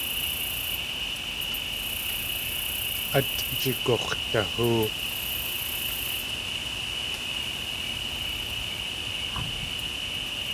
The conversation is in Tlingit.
Át jigux̲dahóo.